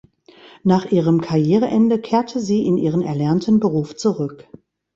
Nach ihrem Karriereende kehrte sie in ihren erlernten Beruf zurück.